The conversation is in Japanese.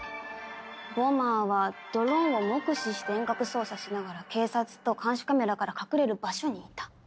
ボマーはドローンを目視して遠隔操作しながら警察と監視カメラから隠れる場所にいた。